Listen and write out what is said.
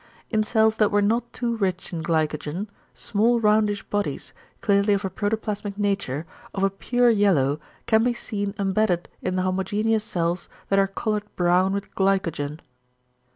In cells that were not too rich in glycogen, small roundish bodies, clearly of a protoplasmic nature, of a pure yellow, can be seen embedded in the homogeneous cells that are coloured brown with glycogen.